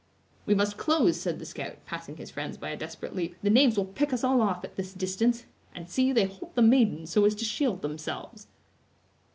"We must close!" said the scout, passing his friends by a desperate leap; "the knaves will pick us all off at this distance; and see, they hold the maiden so as to shield themselves!"